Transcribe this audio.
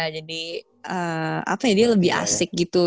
jadi eee apa ya dia lebih asik gitu